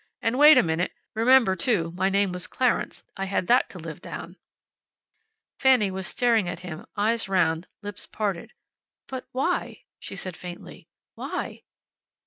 And wait a minute. Remember, too, my name was Clarence. I had that to live down." Fanny was staring at him eyes round, lips parted. "But why?" she said, faintly. "Why?"